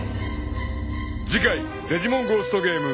［次回『デジモンゴーストゲーム』］